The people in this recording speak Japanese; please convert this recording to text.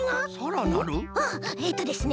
うんえっとですね